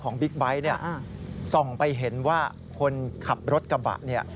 บิ๊กไบท์เนี่ยส่องไปเห็นว่าคนขับรถกระบะเนี่ย